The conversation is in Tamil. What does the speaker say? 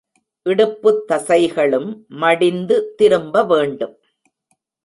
இடுப்புத் தசைகளும் மடிந்து திரும்ப வேண்டும்.